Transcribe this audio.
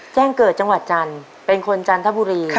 แจ้งเกิดจังหวัดจันทร์เป็นคนจันทบุรี